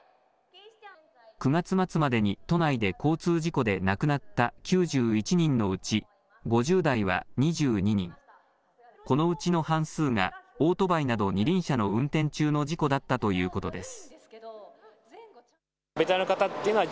９月末までに都内で交通事故で亡くなった９１人のうち５０代は２２人このうちの半数がオートバイなど二輪車の運転中の事故だったということです。